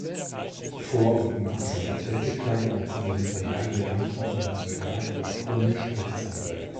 Vor und nach seiner Tätigkeit als Ministerialbeamter und Soldat war Kunisch Rechtsanwalt.